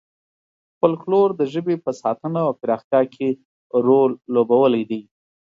فولکلور د ژبې په ساتنه او پراختیا کې رول لوبولی دی.